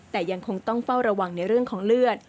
แต่ยังคงต้องเฝ้าระวังในเรื่องของเลือด